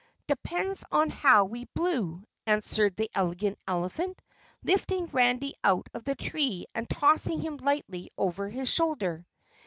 "Depends on how we blew," answered the Elegant Elephant, lifting Randy out of the tree and tossing him lightly over his shoulder.